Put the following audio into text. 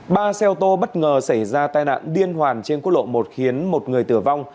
ba xe ô tô bất ngờ xảy ra tai nạn liên hoàn trên quốc lộ một khiến một người tử vong